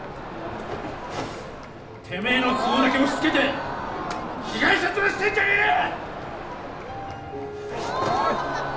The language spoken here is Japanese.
てめえの都合だけ押しつけて被害者ヅラしてんじゃねえよ！